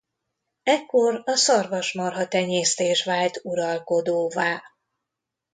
Ekkor a szarvasmarha-tenyésztés vált uralkodóvá.